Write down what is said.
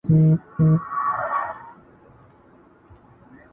د پښتو غزل ساقي دی.